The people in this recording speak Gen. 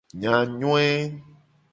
Enyanyoe.